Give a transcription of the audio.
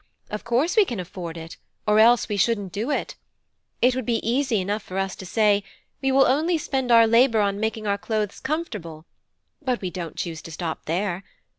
Of course we can afford it, or else we shouldn't do it. It would be easy enough for us to say, we will only spend our labour on making our clothes comfortable: but we don't choose to stop there.